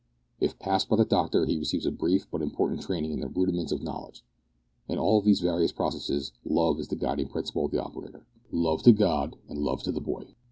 If passed by the doctor, he receives a brief but important training in the rudiments of knowledge. In all of these various processes Love is the guiding principle of the operator love to God and love to the boy.